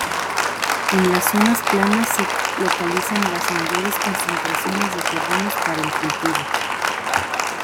En las zonas planas se localizan las mayores concentraciones de terrenos para el cultivo.